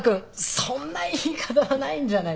そんな言い方はないんじゃない。